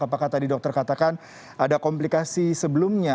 apakah tadi dokter katakan ada komplikasi sebelumnya